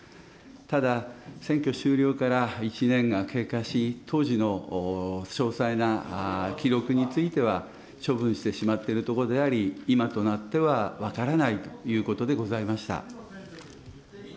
ただ、選挙終了から１年が経過し、当時の詳細な記録については、処分してしまっているところであり、今となっては分からないということでございました。